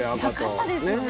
なかったですよね。